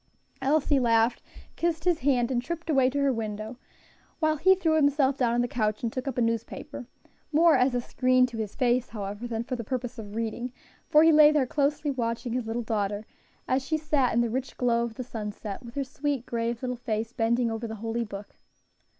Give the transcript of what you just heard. Elsie laughed, kissed his hand, and tripped away to her window, while he threw himself down on the couch and took up a newspaper, more as a screen to his face, however, than for the purpose of reading; for he lay there closely watching his little daughter, as she sat in the rich glow of the sunset, with her sweet, grave little face bending over the holy book.